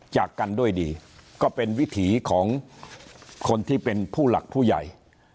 จากกันด้วยดีก็เป็นวิถีของคนที่เป็นผู้หลักผู้ใหญ่